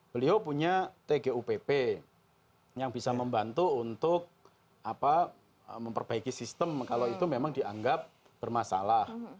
beliau punya tgupp yang bisa membantu untuk memperbaiki sistem kalau itu memang dianggap bermasalah